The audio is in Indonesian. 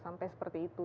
sampai seperti itu